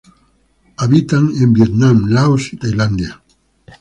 Habita en Vietnam, Laos y Tailandia.